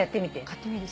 買ってみる。